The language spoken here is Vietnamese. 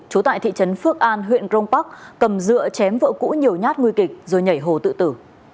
trú tại thị trấn phước an huyện grong park cầm dựa chém vợ cũ nhiều nhát nguy kịch rồi nhảy hồ tự tử